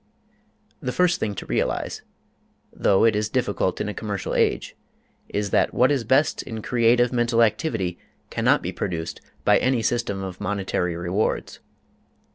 The first thing to realize though it is difficult in a commercial age is that what is best in creative mental activity cannot be produced by any system of monetary rewards.